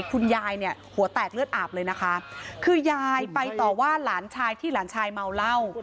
คุณยายเนี่ยหัวแตกเลือดอาบเลยนะคะคือยายไปต่อว่าหลานชายที่หลานชายเมาเหล้า